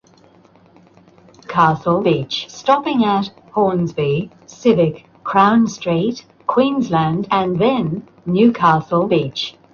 Romney Marsh is flat and low-lying, with parts below sea-level.